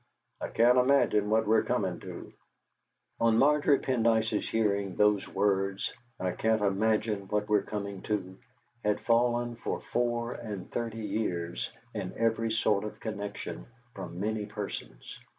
I can't imagine what we're coming to!" On Margery Pendyce's hearing, those words, "I can't imagine what we're coming to," had fallen for four and thirty years, in every sort of connection, from many persons.